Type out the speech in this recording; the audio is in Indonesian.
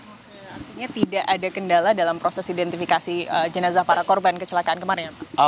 artinya tidak ada kendala dalam proses identifikasi jenazah para korban kecelakaan kemarin ya pak